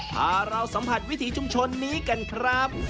พาเราสัมผัสวิถีชุมชนนี้กันครับ